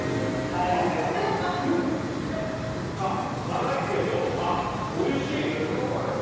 辛いけど、おいしい！